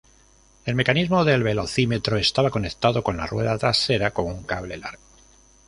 El mecanismo del velocímetro estaba conectado con la rueda trasera, con un cable largo.